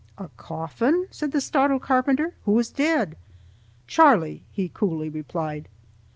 "A coffin!" said the startled carpenter. "Who is dead?" "Charlie," he coolly replied.